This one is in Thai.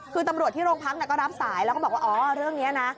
คือตำรวจที่โรงพักก็รับสายแล้วก็บอกว่าอ๋อเรื่องนี้นะ